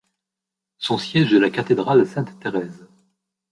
Son siège est la cathédrale Sainte-Thérèse.